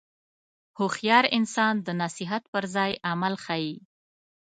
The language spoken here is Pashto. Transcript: هوښیار انسان د نصیحت پر ځای عمل ښيي.